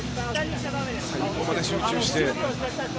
最後まで集中して。